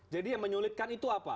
yang menyulitkan itu apa